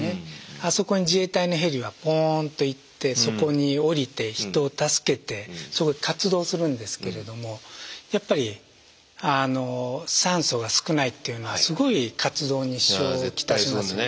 あそこに自衛隊のヘリはポーンと行ってそこに降りて人を助けてそこで活動するんですけれどもやっぱり酸素が少ないっていうのはすごい活動に支障を来します。